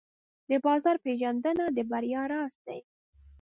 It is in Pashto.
د بازار پېژندنه د بریا راز دی.